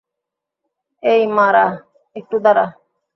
এই, মারা, একটু দাঁড়া।